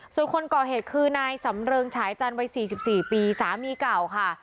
ส่วนคนก่อเหตุคือนายสำเริงฉายจันทร์วัย๔๔ปีสามีเก่าค่ะ